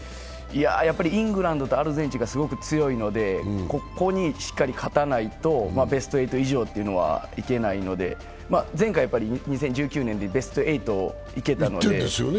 イングランドとアルゼンチンがすごく強いのでここにしっかり勝たないとベスト８以上はいけないので前回、２０１９年にベスト８にいけたので。